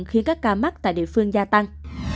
khiến các ca mắc tại địa phương gia tăng